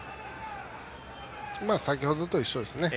先ほどと一緒ですね。